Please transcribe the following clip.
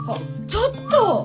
ちょっと！